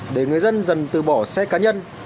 để người dân dần từ bỏ xe cá nhân